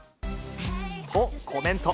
と、コメント。